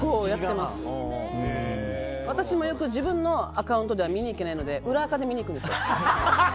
私もよく自分のアカウントでは見に行けないので裏アカで見にいくんですよ。